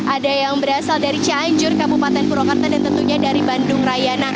ada yang berasal dari cianjur kabupaten purwakarta dan tentunya dari bandung raya